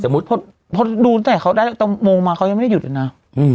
ค่ะสมมุติเพราะดูตั้งแต่เขาได้ตรงโมงมาเขายังไม่ได้หยุดอยู่หน้า